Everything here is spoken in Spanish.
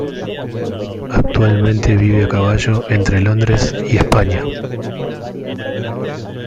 Actualmente vive a caballo entre Londres y España.